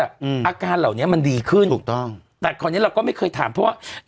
อาการเหล่านี้มันดีขึ้นถูกต้องแต่คราวนี้เราก็ไม่เคยถามเพราะว่า